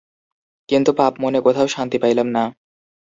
কিন্তু পাপমনে কোথাও শান্তি পাইলাম না।